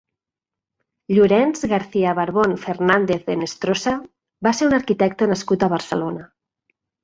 Llorenç García-Barbón Fernández de Henestrosa va ser un arquitecte nascut a Barcelona.